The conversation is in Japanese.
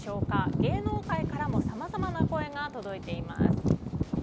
芸能界からもさまざまな声が届いています。